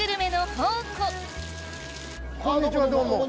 まさにこんにちはどうも！